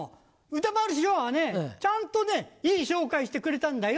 歌丸師匠はねちゃんといい紹介してくれたんだよ！